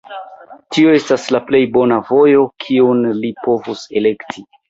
Tio estas la plej bona vojo, kiun li povus elekti.